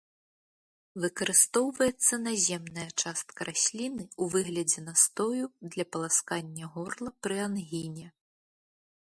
Выкарыстоўваецца наземная частка расліны ў выглядзе настою для паласкання горла пры ангіне.